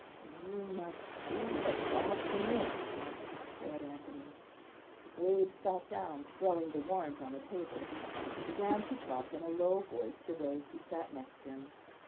"You must do what God permits," said Anthony. Wade sat down, throwing the warrant on the table, and began to talk in a low voice to those who sat next him.